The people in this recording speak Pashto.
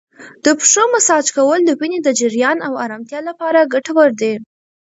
د پښو مساج کول د وینې د جریان او ارامتیا لپاره ګټور دی.